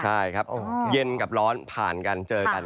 ใช่ครับเย็นกับร้อนผ่านกันเจอกัน